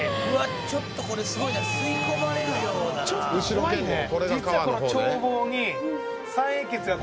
ちょっとこれすごいな吸い込まれるようだなちょっと怖いね何だろう